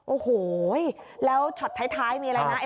โอ้โหแล้วช็อตท้ายมีอะไรนะ